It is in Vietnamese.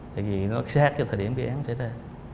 tại vì nó xác cho thời điểm cái án xảy ra